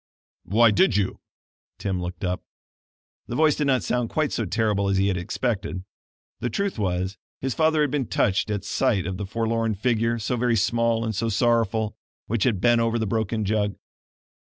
"Why did you?" Tim looked up. The voice did not sound quite so terrible as he had expected. The truth was his father had been touched at sight of the forlorn figure, so very small and so sorrowful, which had bent over the broken jug.